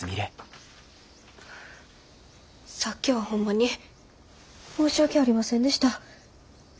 さっきはホンマに申し訳ありませんでした。